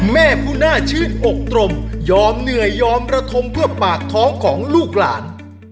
แม่ผู้น่าชื่นอกตรมยอมเหนื่อยยอมระทมเพื่อปากท้องของลูกหลาน